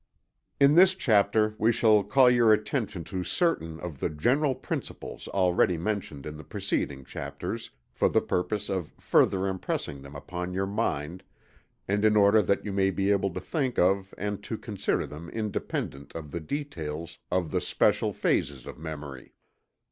In this chapter we shall call your attention to certain of the general principles already mentioned in the preceding chapters, for the purpose of further impressing them upon your mind, and in order that you may be able to think of and to consider them independent of the details of the special phases of memory.